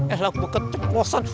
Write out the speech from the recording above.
elang beketup bosan